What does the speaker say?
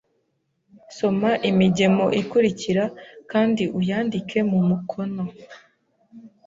Soma imigemo ikurikira kandi uyandike mu mukono